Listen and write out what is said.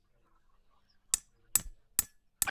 په لویه جرګه کي بېلابېلې کاري کمېټې چېرته خپل بحث کوي؟